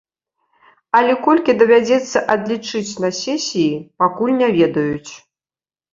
Але колькі давядзецца адлічыць на сесіі, пакуль не ведаюць.